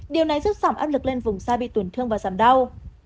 điều này giúp giảm áp lực lên vùng xa bị tổn thương và giảm đau